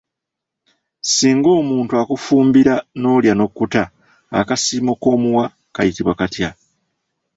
Singa omuntu akufumbira n'olya n'okkuta akasiimo k'omuwa kayitibwa katya?